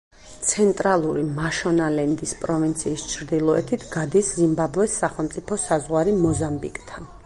ცენტრალური მაშონალენდის პროვინციის ჩრდილოეთით გადის ზიმბაბვეს სახელმწიფო საზღვარი მოზამბიკთან.